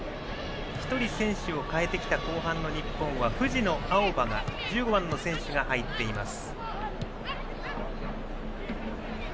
１人選手を代えてきた後半の日本は藤野あおば、１５番の選手が入っています。